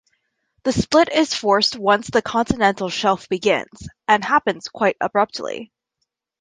The split is forced once the continental shelf begins, and happens quite abruptly.